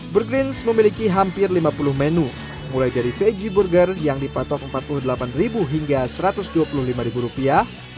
burgrins memiliki hampir lima puluh menu mulai dari veg burger yang dipatok empat puluh delapan hingga satu ratus dua puluh lima rupiah